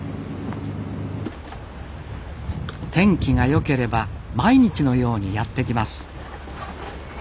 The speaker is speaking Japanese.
天気が良ければ毎日のようにやって来ます。